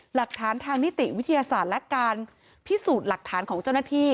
หลักฐานทางนิติวิทยาศาสตร์และการพิสูจน์หลักฐานของเจ้าหน้าที่